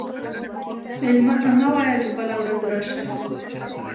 مېلمه ته مه وایه چې بله ورځ راشه.